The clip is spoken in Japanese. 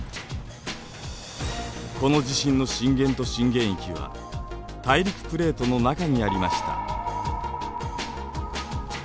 この地震の震源と震源域は大陸プレートの中にありました。